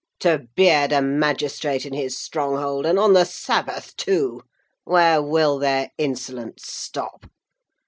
To beard a magistrate in his stronghold, and on the Sabbath, too! Where will their insolence stop?